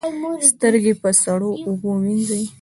سترګې په سړو اوبو وینځئ